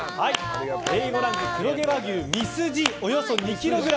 Ａ５ランク黒毛和牛ミスジおよそ２ｋｇ。